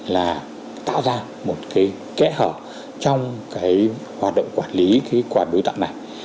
là tạo ra một cái kẽ hở trong cái hoạt động quản lý cái quà biếu tặng này